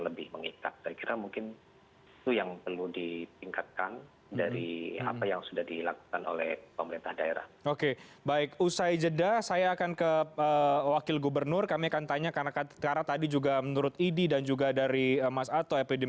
lebih mengikat saya kira mungkin